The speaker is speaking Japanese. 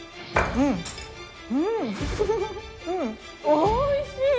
おいしい！